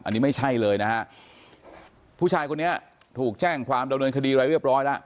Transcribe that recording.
อันนี้ไม่ใช่เลยนะฮะผู้ชายคนนี้ถูกแจ้งความดำเนินคดีอะไรเรียบร้อยแล้ว